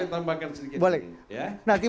boleh tambahkan sedikit